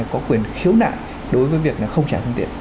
có quyền khiếu nại đối với việc không trả phương tiện